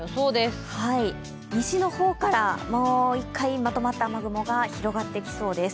西の方からもう一回まとまった雨雲が広がってきそうです。